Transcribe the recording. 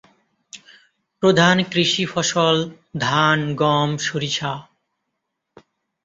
প্রধান কৃষি ফসল ধান, গম, সরিষা।